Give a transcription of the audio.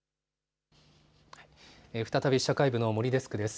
再び社会部の森デスクです。